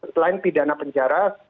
selain pidana penjara